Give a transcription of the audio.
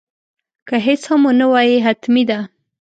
که هیڅ هم ونه وایې حتمي ده.